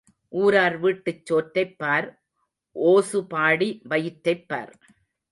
ஊரார் வீட்டுச் சோற்றைப் பார் ஓசு பாடி வயிற்றைப் பார்.